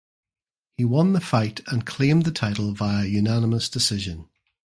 He won the fight and claimed the title via unanimous decision.